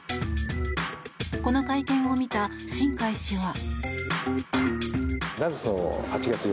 この会見を見た新開氏は。